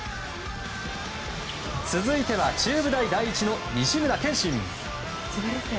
続いては中部大第一の西村謙槙。